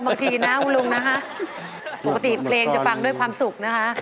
ปกติเพลงจะฟังด้วยความสุขนะคะ